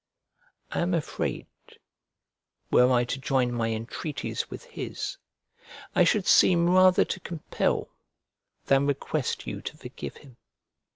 I am afraid, were I to join my entreaties with his, I should seem rather to compel than request you to forgive him.